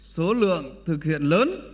số lượng thực hiện lớn